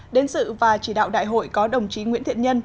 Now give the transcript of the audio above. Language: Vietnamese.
đến sự và chỉ đạo đại hội có đồng chí nguyễn thiện nhân